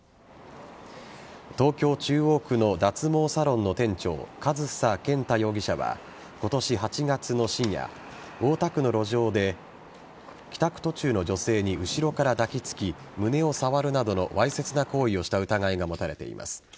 東京・中央区の脱毛サロンの店長上総健太容疑者は今年８月の深夜大田区の路上で帰宅途中の女性に後ろから抱きつき胸を触るなどのわいせつな行為をした疑いが持たれています。